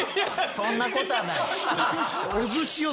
そんなことはない。